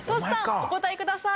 お答えください。